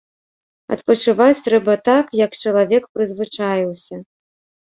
Адпачываць трэба так, як чалавек прызвычаіўся.